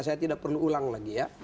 saya tidak perlu ulang lagi ya